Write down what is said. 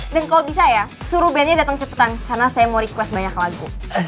dan kalo bisa ya suruh band nya dateng cepetan karena saya mau request banyak lagu